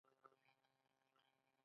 آیا پښتون په ښځو او ماشومانو ګذار نه کوي؟